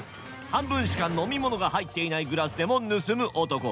半分しか飲み物が入っていないグラスでも盗む男。